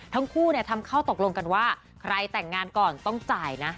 ทั้งคู่ทำเข้าตกลงกันว่าใครแต่งงานก่อนต้องจ่ายนะ